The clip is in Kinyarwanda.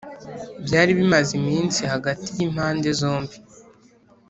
byari bimaze iminsi hagati y’impande zombi